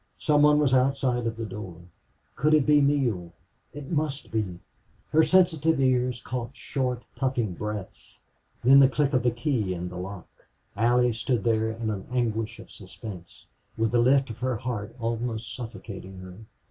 Some one was outside at the door. Could it be Neale? It must be! Her sensitive ears caught short, puffing breaths then the click of a key in the lock. Allie stood there in an anguish of suspense, with the lift of her heart almost suffocating her.